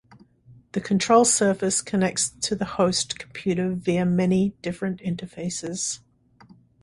The control surface connects to the host computer via many different interfaces.